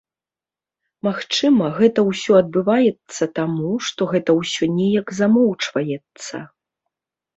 Магчыма, гэта ўсё адбываецца таму, што гэта ўсё неяк замоўчваецца.